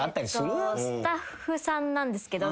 スタッフさんなんですけど。